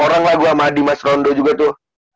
lima orang lah gue sama dimas rondo juga tuh